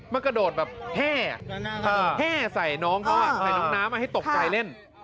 กระโดดแบบแห้ใส่น้องเขาใส่น้องน้ำให้ตกใจเล่น